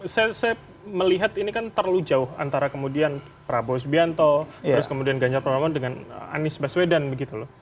saya melihat ini kan terlalu jauh antara kemudian prabowo subianto terus kemudian ganjar pranowo dengan anies baswedan begitu loh